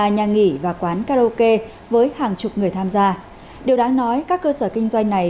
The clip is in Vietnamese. sử dụng tỉnh và quán karaoke với hàng chục người tham gia điều đáng nói các cơ sở kinh doanh này